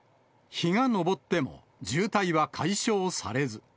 日が昇っても、渋滞は解消されず。